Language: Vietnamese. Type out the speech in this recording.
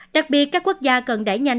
đặc biệt các quốc gia cần đẩy nhanh